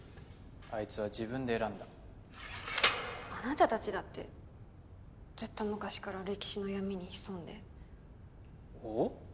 あいつは自分で選んだあなたたちだってずっと昔から歴史の闇に潜んでおっ？